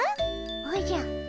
おじゃ。